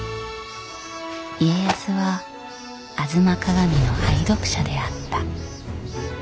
家康は「吾妻鏡」の愛読者であった。